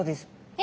え